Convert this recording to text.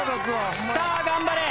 さあ頑張れ。